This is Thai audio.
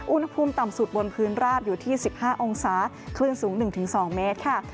อุณหภูมิต่ำสุดบนพื้นราบอยู่ที่๑๕องศาคลื่นสูง๑๒เมตรค่ะ